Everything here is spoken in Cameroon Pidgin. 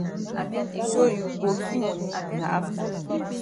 So you go gi moni na afta.